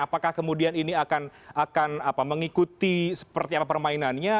apakah kemudian ini akan mengikuti seperti apa permainannya